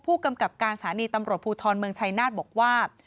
ผู้กำกับการสถานีตำรวจภูทรเมืองชัยนาฏบอกว่า